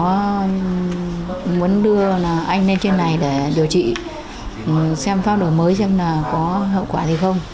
có muốn đưa anh lên trên này để điều trị xem pháp đồ mới xem là có hậu quả gì không